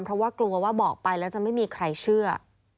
เพราะว่ากลัวว่าบอกไปแล้วจะไม่มีใครเชื่อ